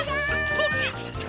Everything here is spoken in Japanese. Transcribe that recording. そっちいっちゃった。